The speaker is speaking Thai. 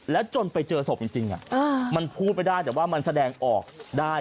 จนไปเจอศพจริงมันพูดไม่ได้แต่ว่ามันแสดงออกได้